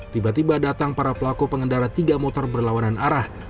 tiba tiba datang para pelaku pengendara tiga motor berlawanan arah